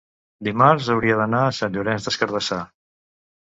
Dimarts hauria d'anar a Sant Llorenç des Cardassar.